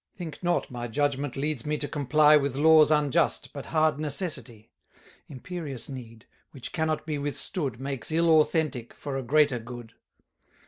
Think not my judgment leads me to comply With laws unjust, but hard necessity; Imperious need, which cannot be withstood, Makes ill authentic, for a greater good.